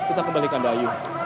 kita kembalikan dahulu